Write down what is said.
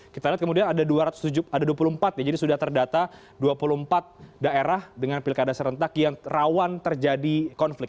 kita lihat kemudian ada dua puluh empat jadi sudah terdata dua puluh empat daerah dengan pilkada serentak yang rawan terjadi konflik